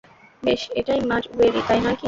বেশ, এটাই মাড ওয়েরি, তাই নয় কি?